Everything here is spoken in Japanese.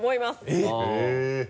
えっ！